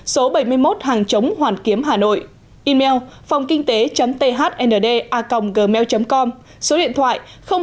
số bảy mươi một hàng chống hoàn kiếm hà nội email phongkinht thnda gmail com số điện thoại hai trăm bốn mươi ba hai trăm sáu mươi sáu chín nghìn năm trăm linh ba